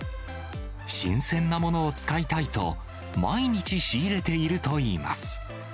新鮮なものを使いたいと、毎日仕入れているといいます。